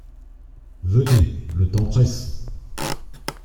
Venez ! le temps presse !…